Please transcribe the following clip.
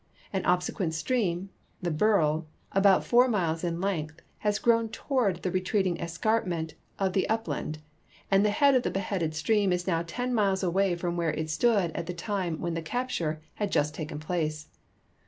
An obsequcnt stream, the Berle, about four miles in length, has grown toward the retreating escarpment of the u[) land, and the head of the beheaded stream is now ten miles away from where it stood at the time when the(!aj)ture bad just taken j>lacc.